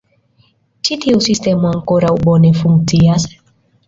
Ĉu tiu sistemo ankoraŭ bone funkcias?